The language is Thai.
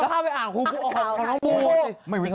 ก็เข้าไปอ่านครูปูออกครูปูออก